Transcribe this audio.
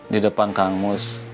di depan kang mus